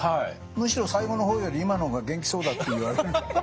むしろ最後の方より今の方が元気そうだって言われる。